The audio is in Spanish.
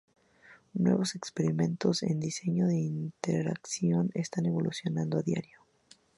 Nuevos experimentos en diseño de interacción están evolucionando a diario.